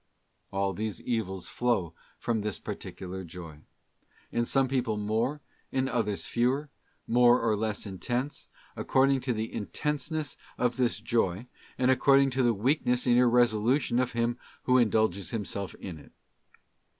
= All these evils flow from this particular joy. In some people more, in others fewer, more or less intense, according to the intenseness of this joy, and according to the weakness and irresolution of him who indulges himself in it.